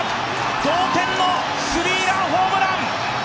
同点のスリーランホームラン！